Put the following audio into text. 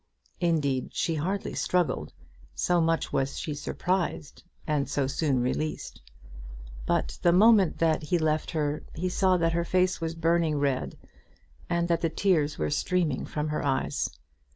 Indeed she hardly struggled, so much was she surprised and so soon released. But the moment that he left her he saw that her face was burning red, and that the tears were streaming from her eyes.